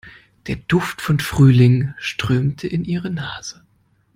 Der Duft von Frühling strömte in ihre Nase.